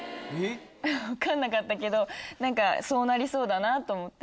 分かんなかったけどそうなりそうだなと思って。